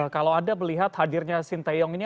kalau anda melihat hadirnya sinteyong ini